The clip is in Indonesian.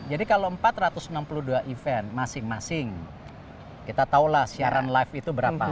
kalau empat ratus enam puluh dua event masing masing kita tahulah siaran live itu berapa